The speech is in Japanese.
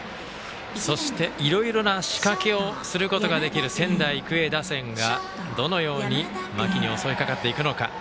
そして、いろいろな仕掛けをすることができる仙台育英打線が、どのように間木に襲いかかっていくのか。